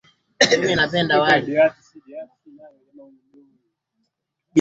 Asilimia arobaini na mbili Mandiraja Lugha rasmi ni Bahasa